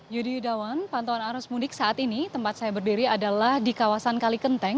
yudi yudawan pantauan arus mudik saat ini tempat saya berdiri adalah di kawasan kalikenteng